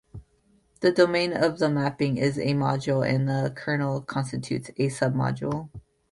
The domain of the mapping is a module, and the kernel constitutes a "submodule".